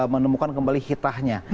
menemukan kembali hitahnya